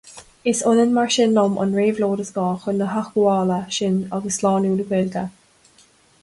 Is ionann mar sin liom an Réabhlóid is gá chun na hAthghábhála sin agus slánú na Gaeilge.